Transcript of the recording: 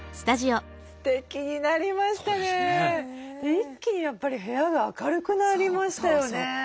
一気にやっぱり部屋が明るくなりましたよね。